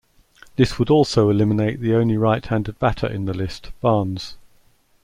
This would also eliminate the only right-handed batter in the list, Barnes.